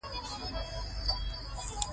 د دې خلکو کار په نوو سیمو کې ډیر اهمیت درلود.